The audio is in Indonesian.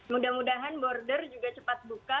mudah mudahan border juga cepat buka